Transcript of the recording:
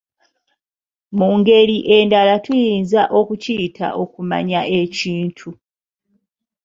Mu ngeri endala tuyinza okukiyita okumanya ekintu.